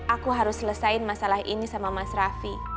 aku harus selesaiin masalah ini sama mas raffi